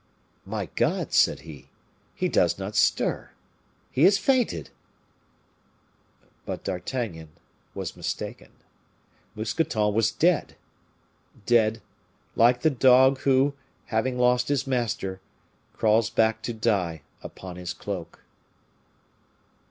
"My God!" said he, "he does not stir he has fainted!" But D'Artagnan was mistaken. Mousqueton was dead! Dead, like the dog who, having lost his master, crawls back to die upon his cloak.